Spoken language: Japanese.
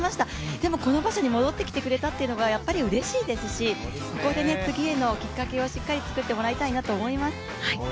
でも、この場所に戻ってきてくれたというのがやっぱりうれしいですしここで次へのきっかけを作ってもらいたいなと思います。